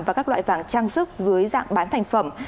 và các loại vàng trang sức dưới dạng bán thành phẩm